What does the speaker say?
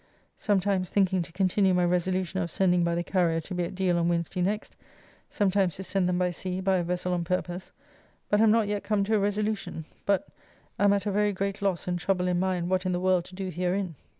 Sometimes thinking to continue my resolution of sending by the carrier to be at Deal on Wednesday next, sometimes to send them by sea by a vessel on purpose, but am not yet come to a resolution, but am at a very great loss and trouble in mind what in the world to do herein.